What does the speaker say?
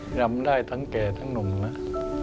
ซึ่งรำได้ทั้งแก่ทั้งหนุ่มแล้วมั้ะ